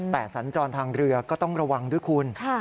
แต่สัญจรทางเรือก็ต้องระวังด้วยคุณ